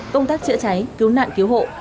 công tác chữa cháy cứu nạn cứu hộ